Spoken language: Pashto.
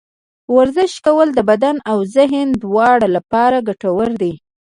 ورزش کول د بدن او ذهن دواړه لپاره ګټور دي.